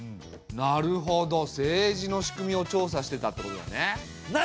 なるほど政治の仕組みを調査してたってことだよね。